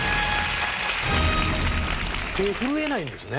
手震えないんですね。